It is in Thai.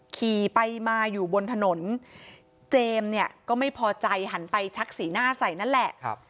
ขี่ไปมาอยู่บนถนนเจมส์เนี่ยก็ไม่พอใจหันไปชักสีหน้าใส่นั่นแหละ